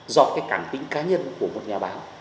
do cái cảm tính cá nhân của một nhà báo